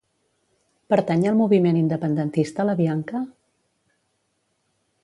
Pertany al moviment independentista la Bianca?